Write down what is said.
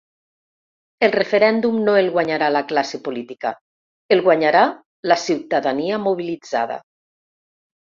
El referèndum no el guanyarà la classe política, el guanyarà la ciutadania mobilitzada.